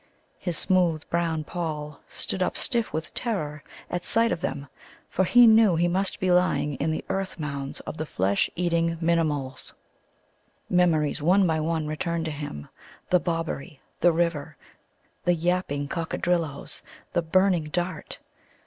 His smooth brown poll stood up stiff with terror at sight of them, for he knew he must be lying in the earth mounds of the flesh eating Minimuls. [Illustration: THE WONDERSTONE.] Memories one by one returned to him the Bobberie, the river, the yapping Coccadrilloes, the burning dart.